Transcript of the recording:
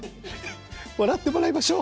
笑ってもらいましょう。